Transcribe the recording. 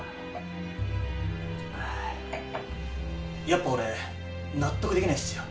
やっぱ俺納得できないっすよ。